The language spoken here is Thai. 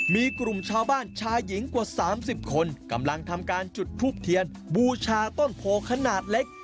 มีกลุ่มชาวบ้านชายหญิงกว่า๓๐คนกำลังทำการจุดทูบเทียนบูชาต้นโพขนาดเล็ก